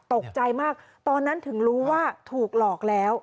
ตกใจมากตอนนั้นถึงรู้ว่าถูกหลอกแล้ว